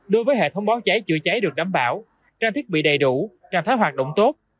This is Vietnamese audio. đối với hệ thống bón cháy chữa cháy được đảm bảo trang thiết bị đầy đủ trạng thái hoạt động tốt